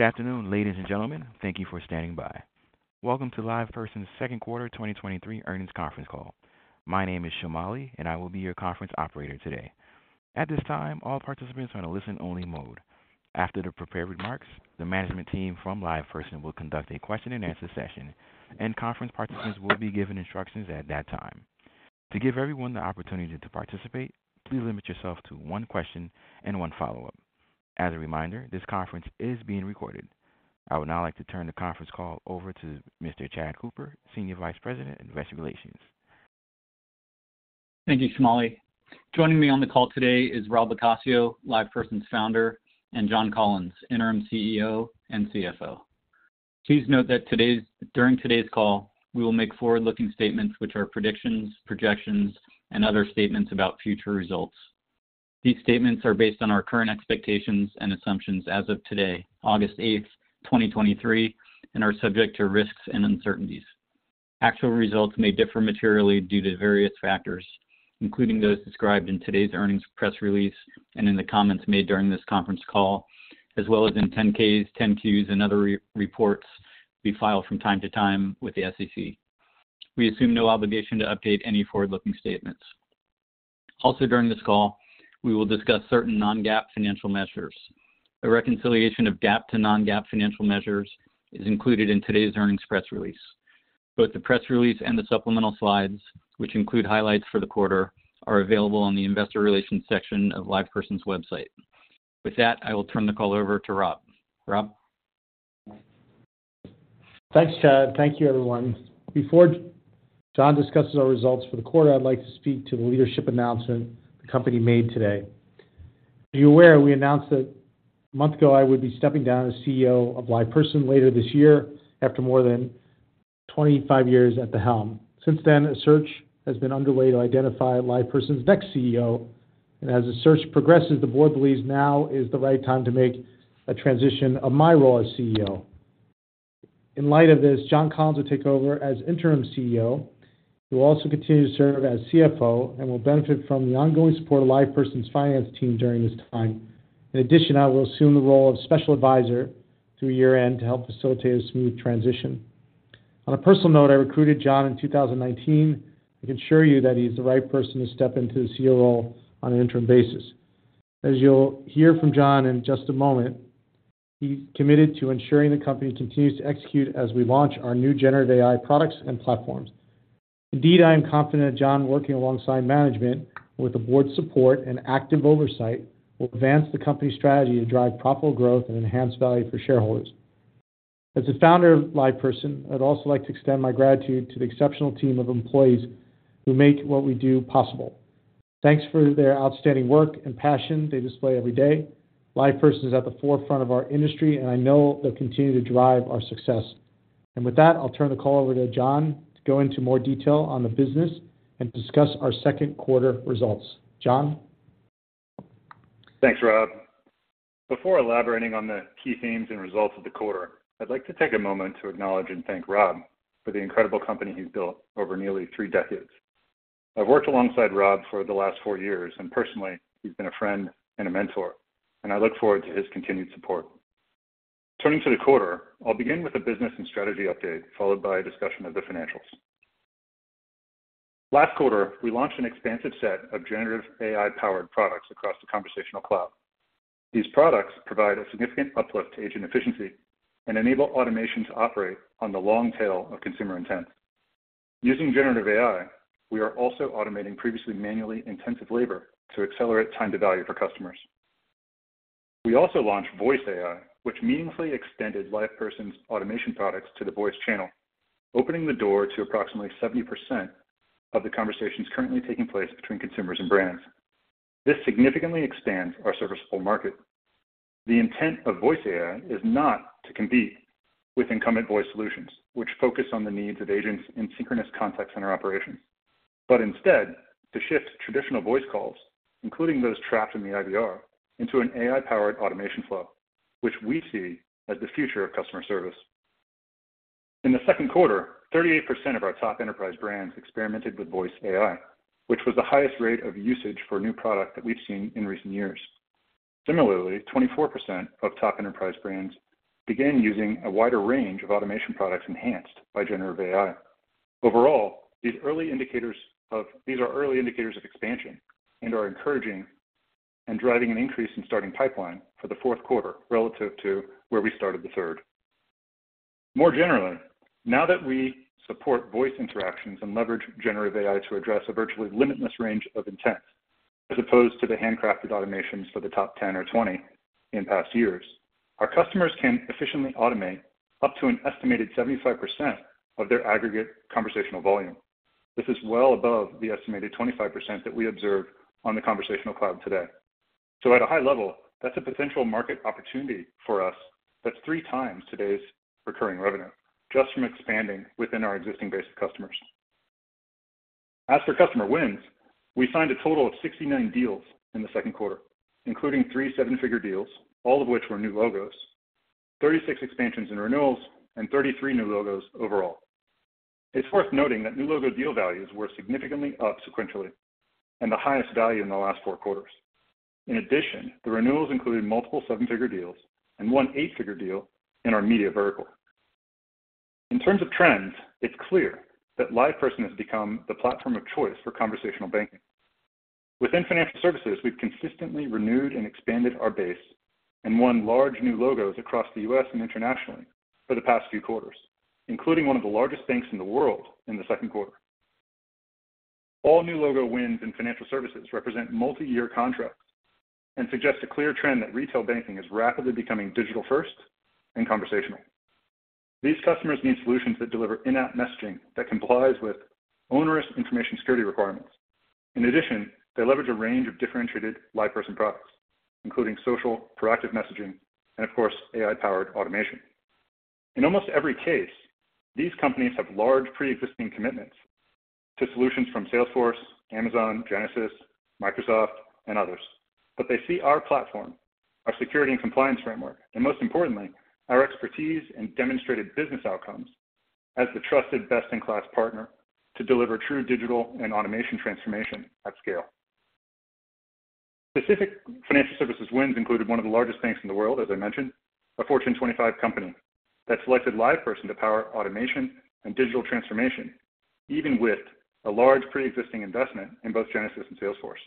Good afternoon, ladies and gentlemen. Thank you for standing by. Welcome to LivePerson's Q2 2023 earnings conference call. My name is Shamali, and I will be your conference operator today. At this time, all participants are in a listen-only mode. After the prepared remarks, the management team from LivePerson will conduct a question-and-answer session, and conference participants will be given instructions at that time. To give everyone the opportunity to participate, please limit yourself to one question and one follow-up. As a reminder, this conference is being recorded. I would now like to turn the conference call over to Mr. Chad Cooper, Senior Vice President of Investor Relations. Thank you, Shamali. Joining me on the call today is Robert LoCascio, LivePerson's founder, and John Collins, Interim CEO and CFO. Please note that during today's call, we will make forward-looking statements which are predictions, projections, and other statements about future results. These statements are based on our current expectations and assumptions as of today, August 8, 2023, and are subject to risks and uncertainties. Actual results may differ materially due to various factors, including those described in today's earnings press release and in the comments made during this conference call, as well as in 10-Ks, 10-Qs, and other re-reports we file from time to time with the SEC. We assume no obligation to update any forward-looking statements. During this call, we will discuss certain non-GAAP financial measures. A reconciliation of GAAP to non-GAAP financial measures is included in today's earnings press release. Both the press release and the supplemental slides, which include highlights for the quarter, are available on the investor relations section of LivePerson's website. With that, I will turn the call over to Rob. Rob? Thanks, Chad. Thank you, everyone. Before John discusses our results for the quarter, I'd like to speak to the leadership announcement the company made today. As you're aware, we announced that a month ago, I would be stepping down as CEO of LivePerson later this year, after more than 25 years at the helm. Since then, a search has been underway to identify LivePerson's next CEO. As the search progresses, the board believes now is the right time to make a transition of my role as CEO. In light of this, John Collins will take over as interim CEO, who will also continue to serve as CFO and will benefit from the ongoing support of LivePerson's finance team during this time. I will assume the role of special advisor through year-end to help facilitate a smooth transition. On a personal note, I recruited John in 2019. I can assure you that he's the right person to step into the CEO role on an interim basis. As you'll hear from John in just a moment, he's committed to ensuring the company continues to execute as we launch our new generative AI products and platforms. Indeed, I am confident that John, working alongside management with the board's support and active oversight, will advance the company's strategy to drive profitable growth and enhance value for shareholders. As the founder of LivePerson, I'd also like to extend my gratitude to the exceptional team of employees who make what we do possible. Thanks for their outstanding work and passion they display every day. LivePerson is at the forefront of our industry, and I know they'll continue to drive our success. With that, I'll turn the call over to John to go into more detail on the business and discuss our Q2 results. John? Thanks, Rob. Before elaborating on the key themes and results of the quarter, I'd like to take a moment to acknowledge and thank Rob for the incredible company he's built over nearly three decades. I've worked alongside Rob for the last four years, and personally, he's been a friend and a mentor, and I look forward to his continued support. Turning to the quarter, I'll begin with a business and strategy update, followed by a discussion of the financials. Last quarter, we launched an expansive set of generative AI-powered products across the Conversational Cloud. These products provide a significant uplift to agent efficiency and enable automation to operate on the long tail of consumer intent. Using generative AI, we are also automating previously manually intensive labor to accelerate time to value for customers. We also launched Voice AI, which meaningfully extended LivePerson's automation products to the voice channel, opening the door to approximately 70% of the conversations currently taking place between consumers and brands. This significantly expands our serviceable market. The intent of Voice AI is not to compete with incumbent voice solutions, which focus on the needs of agents in synchronous contact center operations, but instead to shift traditional voice calls, including those trapped in the IVR, into an AI-powered automation flow, which we see as the future of customer service. In the Q2, 38% of our top enterprise brands experimented with Voice AI, which was the highest rate of usage for a new product that we've seen in recent years. Similarly, 24% of top enterprise brands began using a wider range of automation products enhanced by generative AI. Overall, these early indicators are early indicators of expansion and are encouraging and driving an increase in starting pipeline for the Q4 relative to where we started the third. More generally, now that we support voice interactions and leverage generative AI to address a virtually limitless range of intents, as opposed to the handcrafted automations for the top 10 or 20 in past years, our customers can efficiently automate up to an estimated 75% of their aggregate conversational volume. This is well above the estimated 25% that we observed on the Conversational Cloud today. So at a high level, that's a potential market opportunity for us. That's 3 times today's recurring revenue, just from expanding within our existing base of customers. As for customer wins, we signed a total of 69 deals in the Q2, including three seven-figure deals, all of which were new logos, 36 expansions and renewals, and 33 new logos overall. It's worth noting that new logo deal values were significantly up sequentially and the highest value in the last 4 quarters. In addition, the renewals included multiple seven-figure deals and 1 eight-figure deal in our media vertical. In terms of trends, it's clear that LivePerson has become the platform of choice for conversational banking. Within financial services, we've consistently renewed and expanded our base and won large new logos across the U.S. and internationally for the past few quarters, including one of the largest banks in the world in the Q2. All new logo wins in financial services represent multi-year contracts and suggest a clear trend that retail banking is rapidly becoming digital-first and conversational. These customers need solutions that deliver in-app messaging that complies with onerous information security requirements. In addition, they leverage a range of differentiated LivePerson products, including social, proactive messaging, and of course, AI-powered automation. In almost every case, these companies have large pre-existing commitments to solutions from Salesforce, Amazon, Genesys, Microsoft, and others. They see our platform, our security and compliance framework, and most importantly, our expertise and demonstrated business outcomes as the trusted, best-in-class partner to deliver true digital and automation transformation at scale. Specific financial services wins included one of the largest banks in the world, as I mentioned, a Fortune 25 company that selected LivePerson to power automation and digital transformation, even with a large pre-existing investment in both Genesys and Salesforce.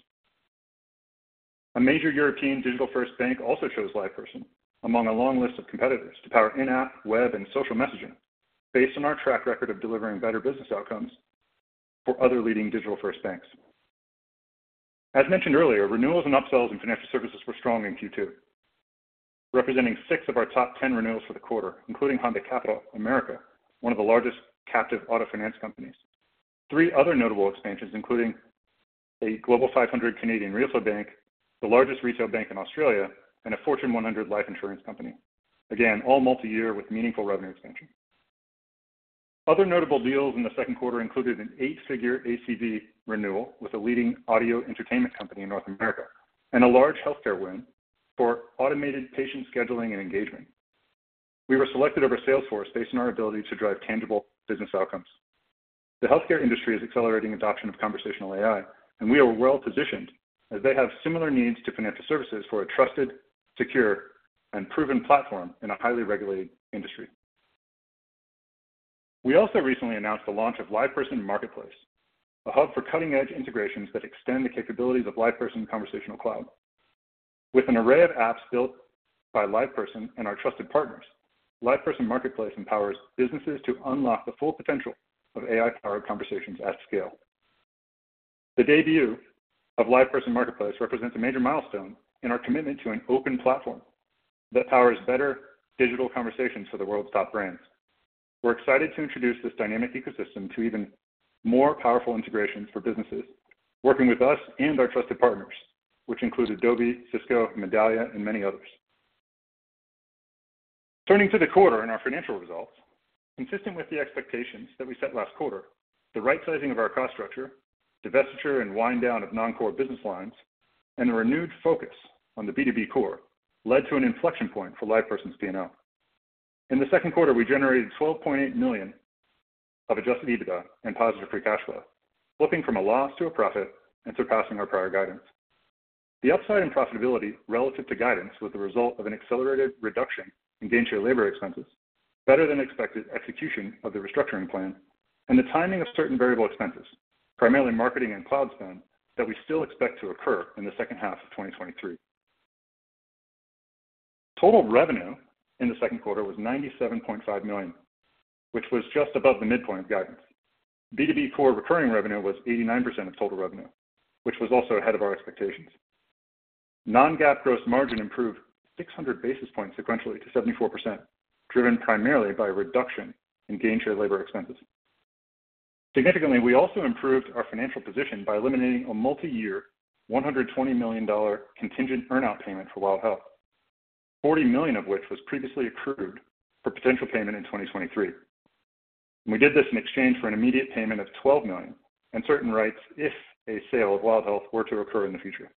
A major European digital-first bank also chose LivePerson, among a long list of competitors, to power in-app, web, and social messaging based on our track record of delivering better business outcomes for other leading digital-first banks. As mentioned earlier, renewals and upsells in financial services were strong in Q2, representing six of our top 10 renewals for the quarter, including Honda Capital America, one of the largest captive auto finance companies. Three other notable expansions, including a Global 500 Canadian retail bank, the largest retail bank in Australia, and a Fortune 100 life insurance company. Again, all multi-year with meaningful revenue expansion. Other notable deals in the Q2 included an 8-figure ACV renewal with a leading audio entertainment company in North America, and a large healthcare win for automated patient scheduling and engagement. We were selected over Salesforce based on our ability to drive tangible business outcomes. The healthcare industry is accelerating adoption of conversational AI, and we are well-positioned as they have similar needs to financial services for a trusted, secure, and proven platform in a highly regulated industry. We also recently announced the launch of LivePerson Marketplace, a hub for cutting-edge integrations that extend the capabilities of LivePerson Conversational Cloud. With an array of apps built by LivePerson and our trusted partners, LivePerson Marketplace empowers businesses to unlock the full potential of AI-powered conversations at scale. The debut of LivePerson Marketplace represents a major milestone in our commitment to an open platform that powers better digital conversations for the world's top brands. We're excited to introduce this dynamic ecosystem to even more powerful integrations for businesses working with us and our trusted partners, which includes Adobe, Cisco, Medallia, and many others. Turning to the quarter and our financial results, consistent with the expectations that we set last quarter, the right sizing of our cost structure, divestiture and wind down of non-core business lines, and a renewed focus on the B2B core led to an inflection point for LivePerson's P&L. In the Q2, we generated $12.8 million of Adjusted EBITDA and positive free cash flow, flipping from a loss to a profit and surpassing our prior guidance. The upside in profitability relative to guidance was the result of an accelerated reduction in Gainshare labor expenses, better than expected execution of the restructuring plan, and the timing of certain variable expenses, primarily marketing and cloud spend, that we still expect to occur in the second half of 2023. Total revenue in the Q2 was $97.5 million, which was just above the midpoint of guidance. B2B core recurring revenue was 89% of total revenue, which was also ahead of our expectations. Non-GAAP gross margin improved 600 basis points sequentially to 74%, driven primarily by a reduction in Gainshare labor expenses. Significantly, we also improved our financial position by eliminating a multi-year $120 million contingent earn out payment for WildHealth, $40 million of which was previously accrued for potential payment in 2023. We did this in exchange for an immediate payment of $12 million and certain rights if a sale of WildHealth were to occur in the future.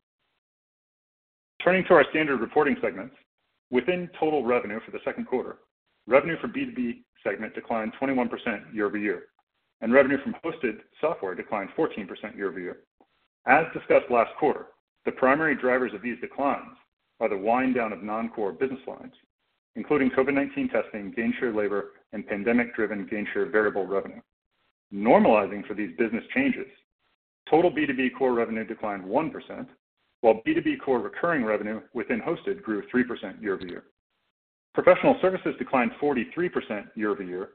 Turning to our standard reporting segments, within total revenue for the Q2, revenue from B2B segment declined 21% year-over-year, and revenue from hosted software declined 14% year-over-year. As discussed last quarter, the primary drivers of these declines are the wind down of non-core business lines, including COVID-19 testing, gainshare labor, and pandemic-driven gainshare variable revenue. Normalizing for these business changes, total B2B core revenue declined 1%, while B2B core recurring revenue within hosted grew 3% year-over-year. Professional services declined 43% year-over-year,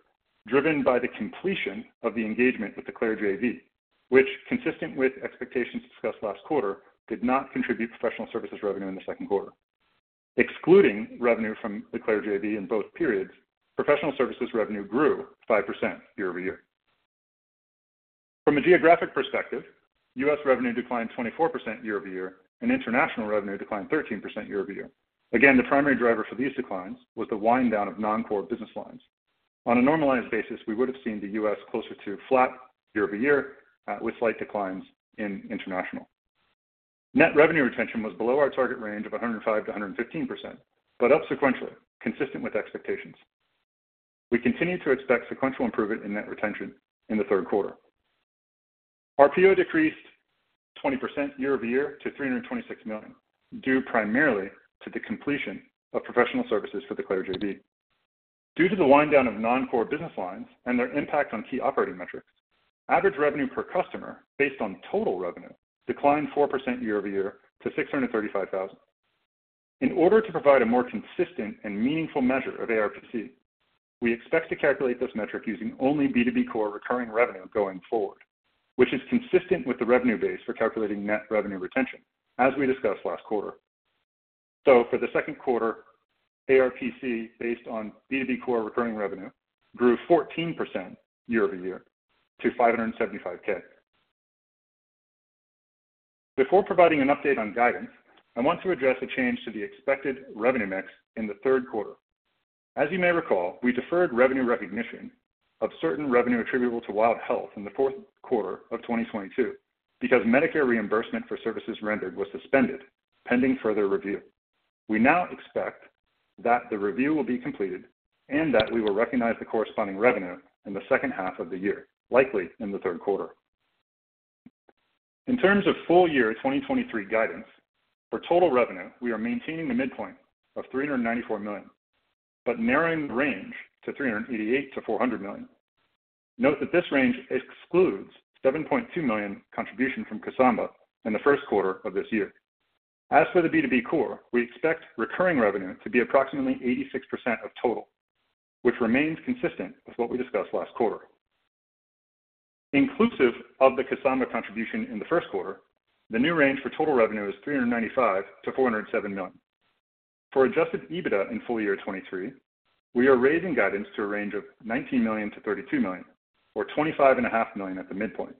driven by the completion of the engagement with the Claire JV, which, consistent with expectations discussed last quarter, did not contribute professional services revenue in the Q2. Excluding revenue from the Claire JV in both periods, professional services revenue grew 5% year-over-year. From a geographic perspective, U.S. revenue declined 24% year-over-year, and international revenue declined 13% year-over-year. Again, the primary driver for these declines was the wind down of non-core business lines. On a normalized basis, we would have seen the U.S. closer to flat year-over-year, with slight declines in international. net revenue retention was below our target range of 105%-115%, but up sequentially, consistent with expectations. We continue to expect sequential improvement in net retention in the Q3. Our RPO decreased 20% year-over-year to $326 million, due primarily to the completion of professional services for the Claire JV. Due to the wind down of non-core business lines and their impact on key operating metrics, average revenue per customer based on total revenue declined 4% year-over-year to $635,000. In order to provide a more consistent and meaningful measure of ARPC, we expect to calculate this metric using only B2B core recurring revenue going forward, which is consistent with the revenue base for calculating net revenue retention, as we discussed last quarter. For the Q2, ARPC, based on B2B core recurring revenue, grew 14% year-over-year to $575K. Before providing an update on guidance, I want to address a change to the expected revenue mix in the Q3. As you may recall, we deferred revenue recognition of certain revenue attributable to WildHealth in the Q4 of 2022 because Medicare reimbursement for services rendered was suspended, pending further review. We now expect that the review will be completed and that we will recognize the corresponding revenue in the second half of the year, likely in the Q3. In terms of full year 2023 guidance, for total revenue, we are maintaining the midpoint of $394 million, but narrowing the range to $388 million-$400 million. Note that this range excludes $7.2 million contribution from Kasamba in the Q1 of this year. As for the B2B core, we expect recurring revenue to be approximately 86% of total, which remains consistent with what we discussed last quarter. Inclusive of the Kasamba contribution in the Q1, the new range for total revenue is $395 million-$407 million. For Adjusted EBITDA in full year 2023, we are raising guidance to a range of $19 million-$32 million, or $25.5 million at the midpoint,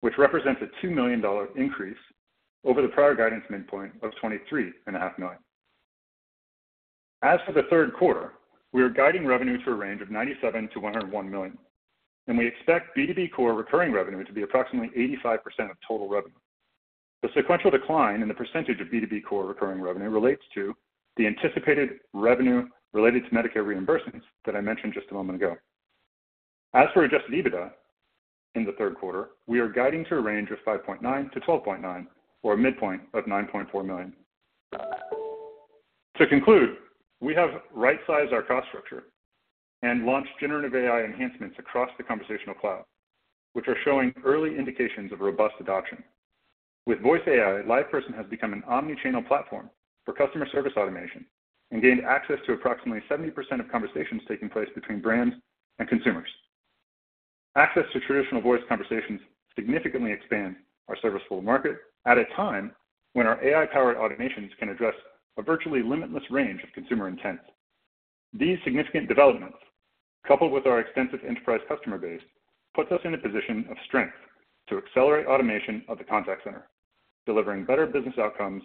which represents a $2 million increase over the prior guidance midpoint of $23.5 million. As for the Q3 at a moment ago. As for Adjusted EBITDA in the Q3, we are guiding to a range of $5.9 million-$12.9 million, or a midpoint of $9.4 million. To conclude, we have right-sized our cost structure and launched generative AI enhancements across the Conversational Cloud, which are showing early indications of robust adoption. With Voice AI, LivePerson has become an omni-channel platform for customer service automation and gained access to approximately 70% of conversations taking place between brands and consumers. Access to traditional voice conversations significantly expand our serviceable market at a time when our AI-powered automations can address a virtually limitless range of consumer intent. These significant developments, coupled with our extensive enterprise customer base, puts us in a position of strength to accelerate automation of the contact center, delivering better business outcomes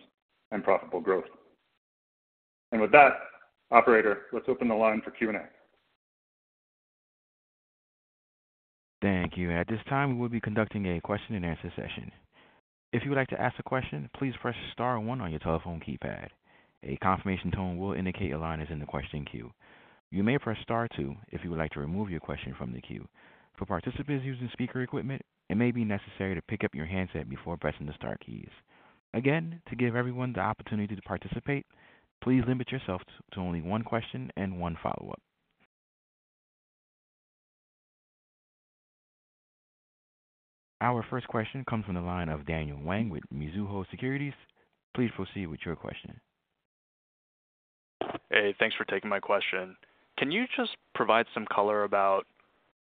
and profitable growth. With that, operator, let's open the line for Q&A. Thank you. At this time, we will be conducting a question-and-answer session. If you would like to ask a question, please press star one on your telephone keypad. A confirmation tone will indicate your line is in the question queue. You may press star two if you would like to remove your question from the queue. For participants using speaker equipment, it may be necessary to pick up your handset before pressing the star keys. Again, to give everyone the opportunity to participate, please limit yourself to only one question and one follow-up. Our first question comes from the line of Daniel Wang with Mizuho Securities. Please proceed with your question. Hey, thanks for taking my question. Can you just provide some color about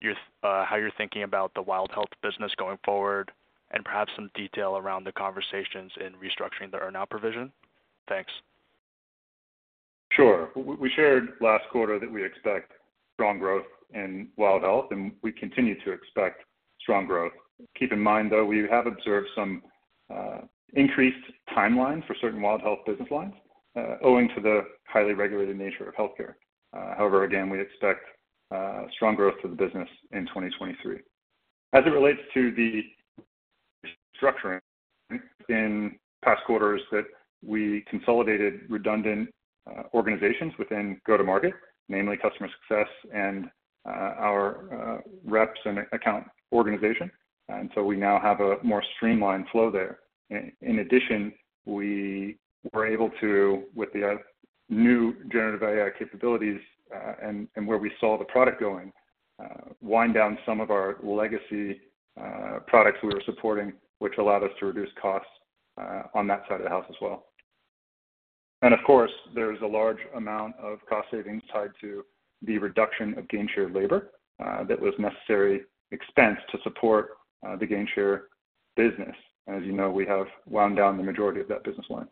your, how you're thinking about the WildHealth business going forward, and perhaps some detail around the conversations in restructuring the earn-out provision? Thanks. Sure. We shared last quarter that we expect strong growth in WildHealth, and we continue to expect strong growth. Keep in mind, though, we have observed some increased timelines for certain WildHealth business lines, owing to the highly regulated nature of healthcare. However, again, we expect strong growth for the business in 2023. As it relates to the structuring in past quarters that we consolidated redundant organizations within go-to-market, namely Customer Success and our reps and account organization. We now have a more streamlined flow there. In addition, we were able to, with the new generative AI capabilities, and where we saw the product going, wind down some of our legacy products we were supporting, which allowed us to reduce costs on that side of the house as well. Of course, there is a large amount of cost savings tied to the reduction of Gainshare labor, that was necessary expense to support the Gainshare business. As you know, we have wound down the majority of that business line.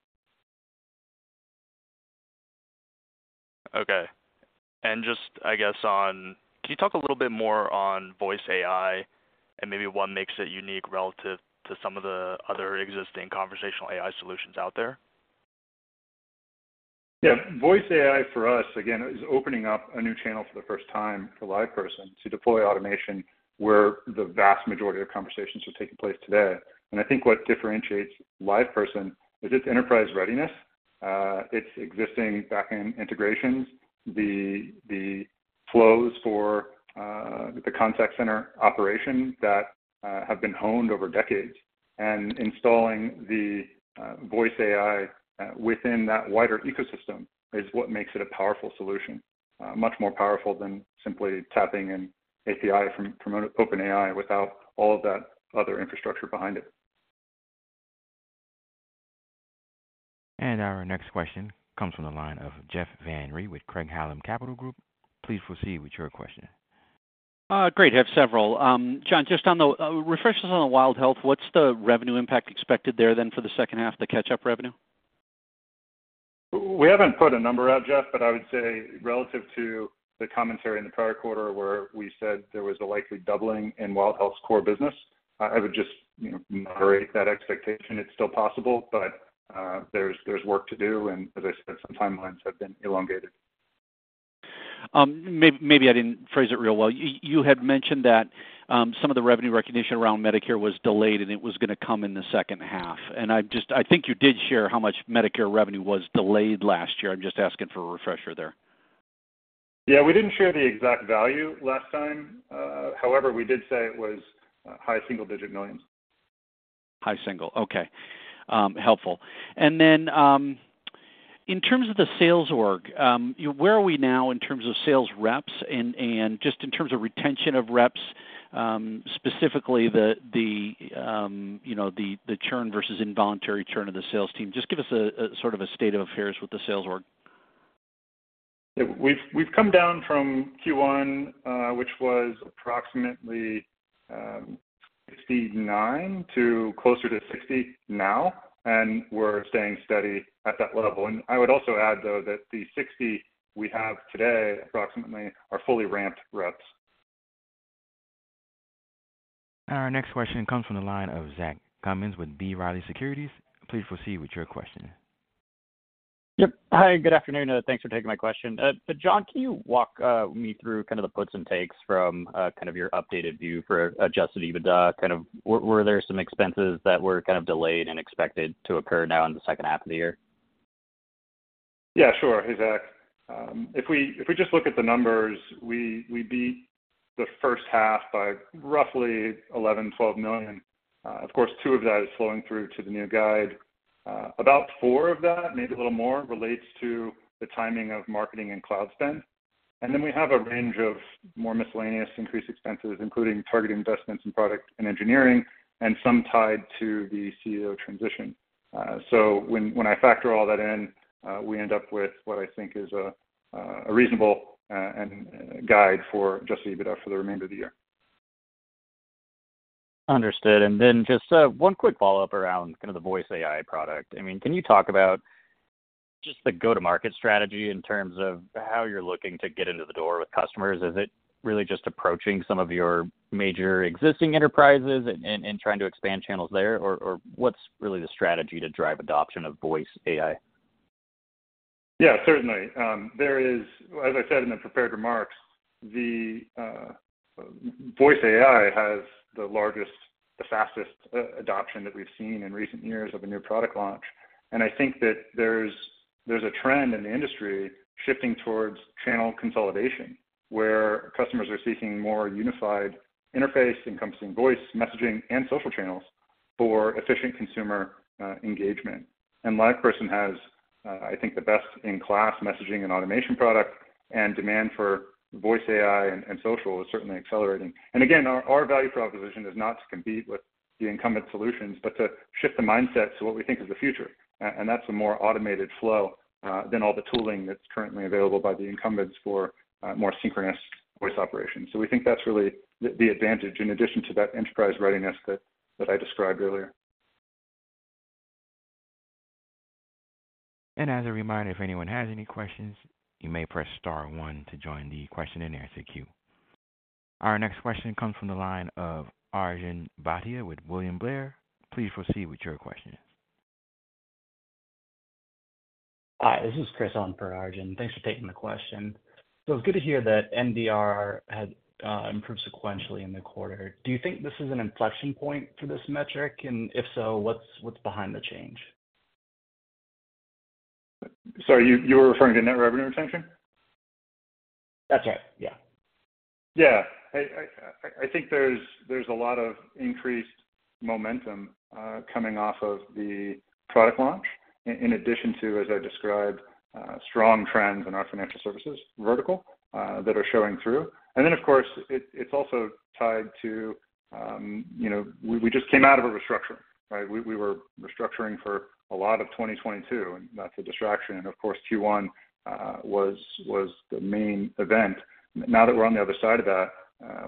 Okay. Just, I guess, on... Can you talk a little bit more on Voice AI and maybe what makes it unique relative to some of the other existing conversational AI solutions out there? Yeah, Voice AI for us, again, is opening up a new channel for the first time for LivePerson to deploy automation, where the vast majority of conversations are taking place today. I think what differentiates LivePerson is its enterprise readiness, its existing back-end integrations, the, the flows for the contact center operation that have been honed over decades. Installing the Voice AI within that wider ecosystem is what makes it a powerful solution, much more powerful than simply tapping an API from, from OpenAI without all of that other infrastructure behind it. Our next question comes from the line of Jeff Van Rhee with Craig-Hallum Capital Group. Please proceed with your question. Great. I have several. John, just on the refresh us on the WildHealth. What's the revenue impact expected there then for the second half, the catch-up revenue? We haven't put a number out, Jeff, but I would say relative to the commentary in the prior quarter, where we said there was a likely doubling in WildHealth's core business, I, I would just, you know, moderate that expectation. It's still possible, but, there's, there's work to do, and as I said, some timelines have been elongated. Maybe I didn't phrase it real well. You had mentioned that, some of the revenue recognition around Medicare was delayed, and it was gonna come in the second half. I think you did share how much Medicare revenue was delayed last year. I'm just asking for a refresher there. Yeah, we didn't share the exact value last time. However, we did say it was high single-digit millions. High single. Okay. Helpful. In terms of the sales org, where are we now in terms of sales reps and, and just in terms of retention of reps, specifically the, the, you know, the, the churn versus involuntary churn of the sales team? Just give us a, a sort of a state of affairs with the sales org. We've, we've come down from Q1, which was approximately 69 to closer to 60 now, and we're staying steady at that level. I would also add, though, that the 60 we have today, approximately, are fully ramped reps. Our next question comes from the line of Zach Cummins with B. Riley Securities. Please proceed with your question. Yep. Hi, good afternoon. Thanks for taking my question. John, can you walk me through kind of the puts and takes from kind of your updated view for Adjusted EBITDA? Were there some expenses that were kind of delayed and expected to occur now in the second half of the year? Yeah, sure. Hey, Zach. If we, if we just look at the numbers, we, we beat the first half by roughly $11 million-$12 million. Of course, $2 of that is flowing through to the new guide. About $4 of that, maybe a little more, relates to the timing of marketing and cloud spend. We have a range of more miscellaneous increased expenses, including targeted investments in product and engineering, and some tied to the CEO transition. When, when I factor all that in, we end up with what I think is a, a reasonable, and guide for Adjusted EBITDA for the remainder of the year. Understood. Then just, one quick follow-up around kind of the Voice AI product. I mean, can you talk about just the go-to-market strategy in terms of how you're looking to get into the door with customers? Is it really just approaching some of your major existing enterprises and trying to expand channels there? Or, what's really the strategy to drive adoption of Voice AI? Yeah, certainly. There is. As I said in the prepared remarks, the Voice AI has the largest, the fastest adoption that we've seen in recent years of a new product launch. I think that there's, there's a trend in the industry shifting towards channel consolidation, where customers are seeking more unified interface, encompassing voice, messaging, and social channels for efficient consumer engagement. LivePerson has, I think, the best-in-class messaging and automation product, and demand for Voice AI and social is certainly accelerating. Again, our, our value proposition is not to compete with the incumbent solutions, but to shift the mindset to what we think is the future. That's a more automated flow than all the tooling that's currently available by the incumbents for more synchronous voice operations. We think that's really the, the advantage, in addition to that enterprise readiness that, that I described earlier. As a reminder, if anyone has any questions, you may press star one to join the question-and-answer queue. Our next question comes from the line of Arjun Bhatia with William Blair. Please proceed with your question. Hi, this is Chris in for Arjun. Thanks for taking the question. It's good to hear that NDR had improved sequentially in the quarter. Do you think this is an inflection point for this metric? If so, what's behind the change? Sorry, you, you were referring to net revenue retention? That's right, yeah. Yeah. I, I, I think there's, there's a lot of increased momentum coming off of the product launch, in, in addition to, as I described, strong trends in our financial services vertical that are showing through. Then, of course, it, it's also tied to, you know, we, we just came out of a restructuring, right? We, we were restructuring for a lot of 2022, and that's a distraction. Of course, Q1 was, was the main event. Now that we're on the other side of that,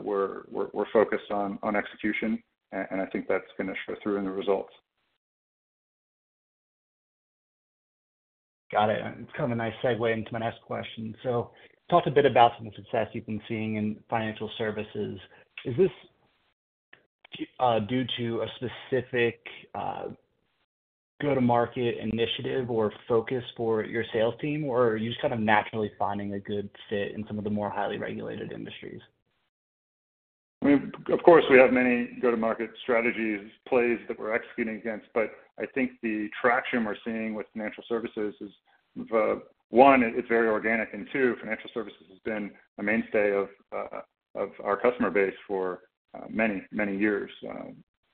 we're, we're, we're focused on, on execution, and I think that's going to show through in the results. Got it. It's kind of a nice segue into my next question. You talked a bit about some success you've been seeing in financial services. Is this due to a specific go-to-market initiative or focus for your sales team? Are you just kind of naturally finding a good fit in some of the more highly regulated industries? I mean, of course, we have many go-to-market strategies, plays that we're executing against, but I think the traction we're seeing with financial services is, one, it's very organic, and two, financial services has been a mainstay of our customer base for many, many years.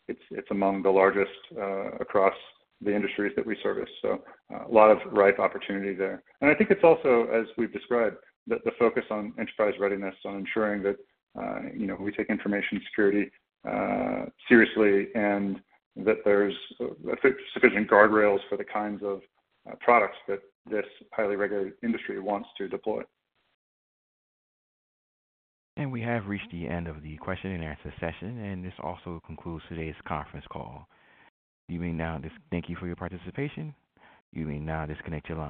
It's, it's among the largest across the industries that we service, so, a lot of ripe opportunity there. And I think it's also, as we've described, the focus on enterprise readiness, on ensuring that, you know, we take information security seriously, and that there's sufficient guardrails for the kinds of products that this highly regulated industry wants to deploy. We have reached the end of the question-and-answer session, and this also concludes today's conference call. You may now. Thank you for your participation. You may now disconnect your line.